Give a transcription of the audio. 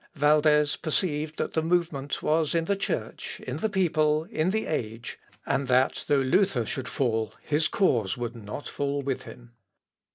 " Valdez perceived that the movement was in the Church, in the people, in the age, and that though Luther should fall, his cause would not fall with him.